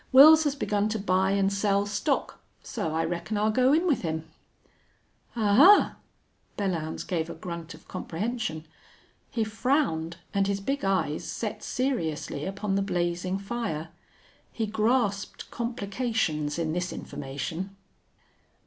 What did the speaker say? Wils has begun to buy an' sell stock, so I reckon I'll go in with him." "Ahuh!" Belllounds gave a grunt of comprehension. He frowned, and his big eyes set seriously upon the blazing fire. He grasped complications in this information.